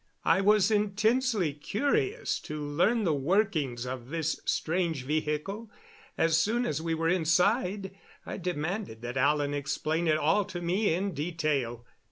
I was intensely curious to learn the workings of this strange vehicle. As soon as we were inside I demanded that Alan explain it all to me in detail.